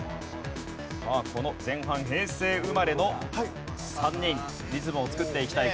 さあこの前半平成生まれの３人リズムを作っていきたい。